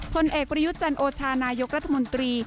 คนเอกพระยุจรรย์โอชานายกรัฐมนตรี